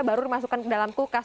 baru dimasukkan ke dalam kulkas